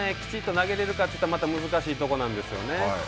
でも、これをきちっと投げれるかといったらまた難しいところなんですよね。